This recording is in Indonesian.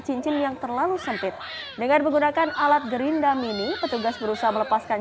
cincin yang terlalu sempit dengan menggunakan alat gerindam ini petugas berusaha melepaskan